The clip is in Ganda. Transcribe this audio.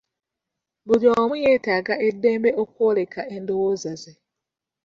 Buli omu yeetaaga eddembe okwoleka endowooza ze.